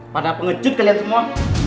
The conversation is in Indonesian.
pada pengecut kalian semua